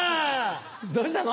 どうしたの？